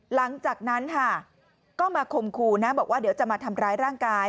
หลังจากนั้นค่ะก็มาคมครูนะบอกว่าเดี๋ยวจะมาทำร้ายร่างกาย